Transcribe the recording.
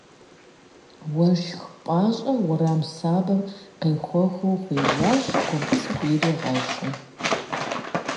Уэшх пӏащэ уэрам сабэм къыхэхуэу хуежьащ, кумб цӏыкӏу иригъэщӏу.